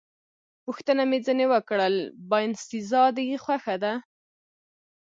پوښتنه مې ځنې وکړل: باینسېزا دې خوښه ده؟